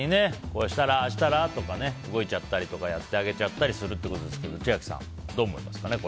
ああしたら？とか動いちゃったりとかやってあげちゃったりするということですが千秋さん、どう思いますかね。